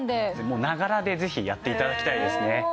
ながらでぜひやって頂きたいですね。